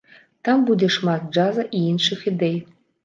Там будзе шмат джаза і іншых ідэй.